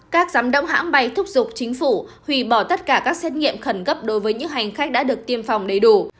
các giám đốc hãng bay thúc giục chính phủ hủy bỏ tất cả các xét nghiệm khẩn cấp đối với những hành khách đã được tiêm phòng đầy đủ